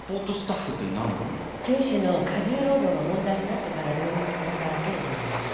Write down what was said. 教師の過重労働が問題になってから導入された制度なの。